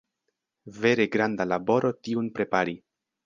Vere granda laboro tiun prepari.